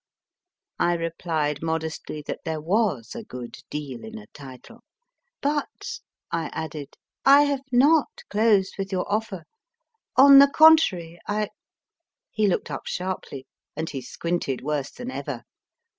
I replied modestly that there was a good deal in a title. But, I added, I have not closed with your offer on the contrary, I He looked up sharply, and he squinted worse than ever.